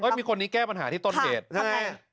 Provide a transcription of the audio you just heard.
เฮ้ยมีคนนี้แก้ปัญหาที่ต้นเกตใช่ไหม